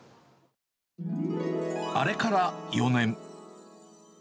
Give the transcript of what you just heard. あれから４年。